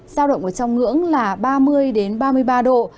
sao động trong ngưỡng là ba mươi ba mươi ba độ